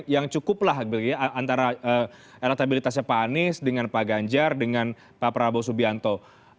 yang cukuplah antara eletabilitasnya pak anies dengan pak ganjar dengan pak prabowo subianto